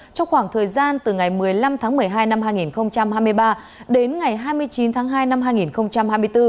trong khoảng thời gian từ ngày một mươi năm tháng một mươi hai năm hai nghìn hai mươi ba đến ngày hai mươi chín tháng hai năm hai nghìn hai mươi bốn